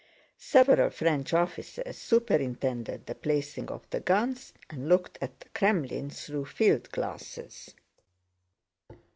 Several French officers superintended the placing of the guns and looked at the Krémlin through field glasses.